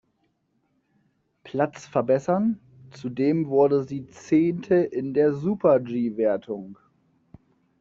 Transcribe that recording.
Platz verbessern, zudem wurde sie Zehnte in der Super-G-Wertung.